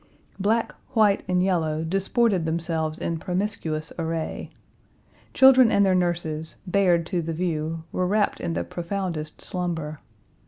Black, white, and yellow disported themselves in promiscuous array. Children and their nurses, bared to the view, were wrapped in the profoundest slumber.